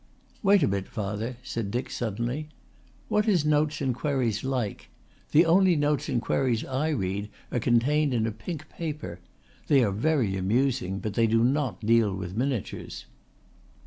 "Wait a bit, father," said Dick suddenly. "What is Notes and Queries like? The only notes and queries I read are contained in a pink paper. They are very amusing but they do not deal with miniatures."